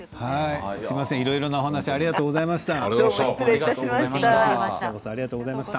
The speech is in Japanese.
いろいろなお話ありがとうございました。